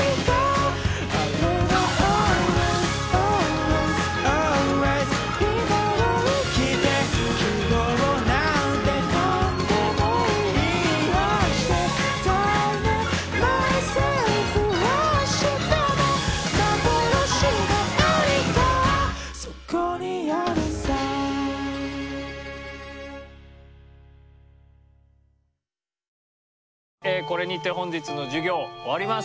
ｉｍａｓｅでこれにて本日の授業終わります。